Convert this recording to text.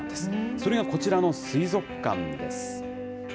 それがこちらの水族館です。